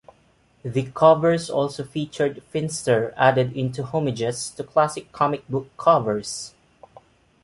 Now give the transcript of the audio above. The covers also featured Finster added into homages to classic comic book covers.